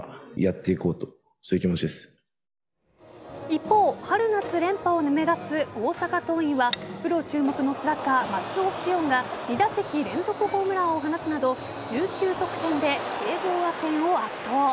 一方春夏連覇を目指す大阪桐蔭はプロ注目のスラッガー松尾汐恩が２打席連続ホームランを放つなど１９得点で聖望学園を圧倒。